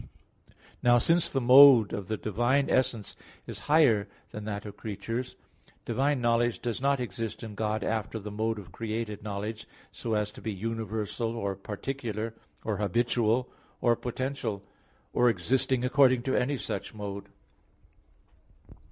Now since the mode of the divine essence is higher than that of creatures, divine knowledge does not exist in God after the mode of created knowledge, so as to be universal or particular, or habitual, or potential, or existing according to any such mode.